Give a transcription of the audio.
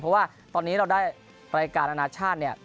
เพราะว่าตอนนี้เราได้รายการอนาชาติเนี่ย